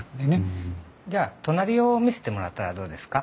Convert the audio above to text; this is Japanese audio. じゃあ隣を見してもらったらどうですか？